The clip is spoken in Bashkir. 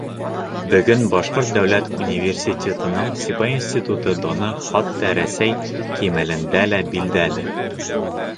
Бөгөн Башҡорт дәүләт университетының Сибай институты даны хатта Рәсәй кимәлендә лә билдәле.